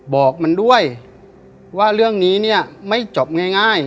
บอกมันด้วยว่าเรื่องนี้เนี่ยไม่จบง่าย